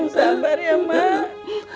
sabar ya emak